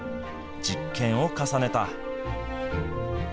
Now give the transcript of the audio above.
実験を重ねた。